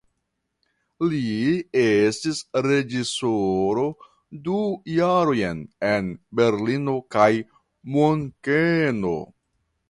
Li estis reĝisoro du jarojn en Berlino kaj Munkeno.